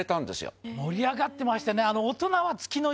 淵織盛り上がってましたね。